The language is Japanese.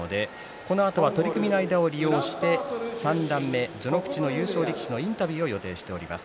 このあと取組の間を利用して三段目、序ノ口の優勝力士のインタビューを予定しています。